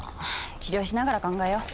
治療しながら考えよう。